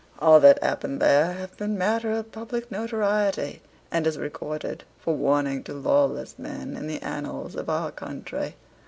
All that happened there hath been matter of public notoriety, and is recorded, for warning to lawless men, in the annals of our country.